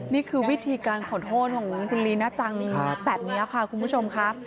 นี่คือวิธีการขอโทษของคุณลีน่าจังแบบนี้ค่ะคุณผู้ชมค่ะ